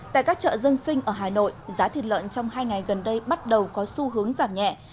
tại các chợ dân sinh ở hà nội giá thịt lợn trong hai ngày gần đây bắt đầu có xu hướng giảm nhẹ